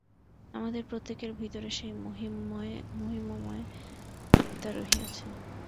আমাদের প্রত্যেকের ভিতরে সেই মহিমময় আত্মা রহিয়াছেন।